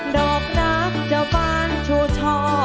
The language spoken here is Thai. ดอกนักเจ้าบ้านชูชอ